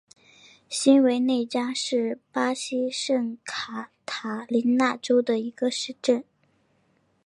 新韦内扎是巴西圣卡塔琳娜州的一个市镇。